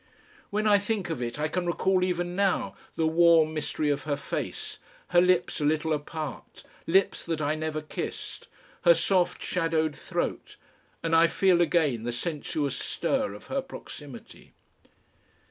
When I think of it I can recall even now the warm mystery of her face, her lips a little apart, lips that I never kissed, her soft shadowed throat, and I feel again the sensuous stir of her proximity....